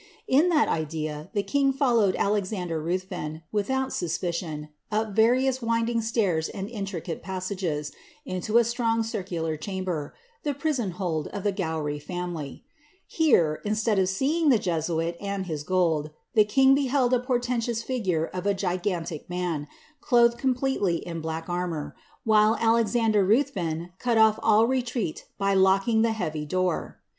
In that idea, the king followed Alexander Ruthven, without 8U»* picion, up various winding stairs and intricate passages, into a strong circular chamber, the prison hold of the Oowry fiunily : here, instead of seeing tlie Jesuit and his gold, the king beheld a portentous figure of a ngantic man, clothed completely in black armour, while Alexander Ruthven cut off ail retreat by locking the heavy door.